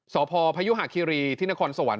สพพยุหาคิรีที่นครสวรรค